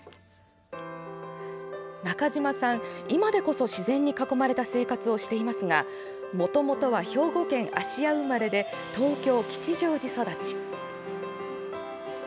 中島さん、今でこそ自然に囲まれた生活をしていますがもともとは兵庫県芦屋生まれで東京・吉祥寺育ち。